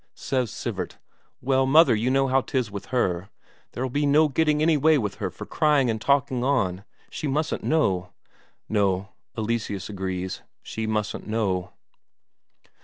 Says Sivert: "Well, mother, you know how 'tis with her. There'll be no getting any way with her for crying and talking on. She mustn't know." "No," Eleseus agrees, "she mustn't know."